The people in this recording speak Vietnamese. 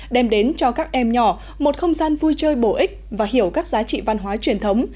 đem đến cho các em nhỏ một không gian vui chơi bổ ích và hiểu các giá trị văn hóa truyền thống